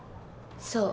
そう。